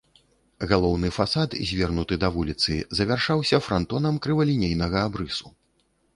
Галоўны фасад, звернуты да вуліцы, завяршаўся франтонам крывалінейнага абрысу.